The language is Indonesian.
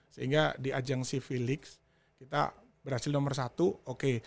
sehingga di ajang si felix kita berhasil nomor satu oke